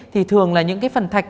thì thường là những phần thạch